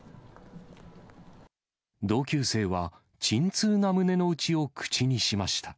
同級生は、沈痛な胸の内を口にしました。